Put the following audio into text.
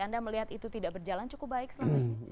anda melihat itu tidak berjalan cukup baik selama ini